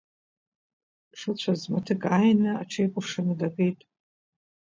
Дшыцәаз маҭык ааины, аҽикәыршаны дакит.